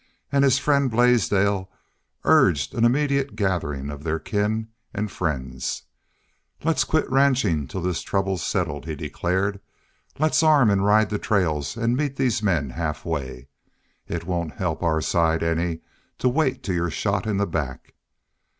And his friend Blaisdell urged an immediate gathering of their kin and friends. "Let's quit ranchin' till this trouble's settled," he declared. "Let's arm an' ride the trails an' meet these men half way.... It won't help our side any to wait till you're shot in the back."